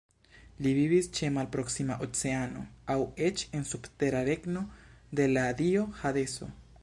Li vivis ĉe malproksima Oceano aŭ eĉ en subtera regno de la dio Hadeso.